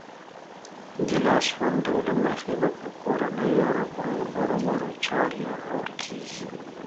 د لاسوندو له مخې به پر کورنيو ربړو هرومرو چار يا غور کېږي.